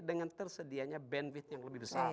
dengan tersedianya bandfith yang lebih besar